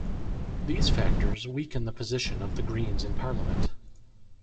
These factors weakened the position of the Greens in Parliament.